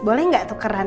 boleh nggak tukeran